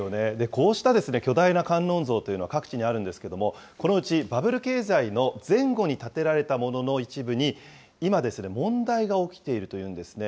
こうした巨大な観音像というのは各地にあるんですけども、このうちバブル経済の前後に建てられたものの一部に、今、問題が起きているというんですね。